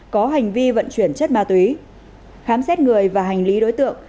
có hành vi vận chuyển chất ma túy khám xét người và hành lý đối tượng